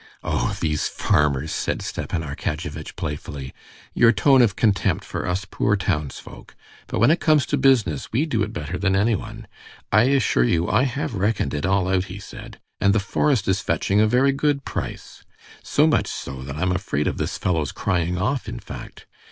"Oh, these farmers!" said Stepan Arkadyevitch playfully. "Your tone of contempt for us poor townsfolk!... But when it comes to business, we do it better than anyone. I assure you I have reckoned it all out," he said, "and the forest is fetching a very good price—so much so that I'm afraid of this fellow's crying off, in fact.